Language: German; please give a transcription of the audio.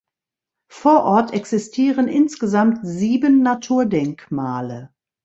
Vor Ort existieren insgesamt sieben Naturdenkmale.